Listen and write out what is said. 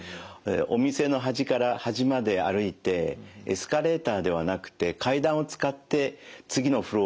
お店の端から端まで歩いてエスカレーターではなくて階段を使って次のフロアに上がります。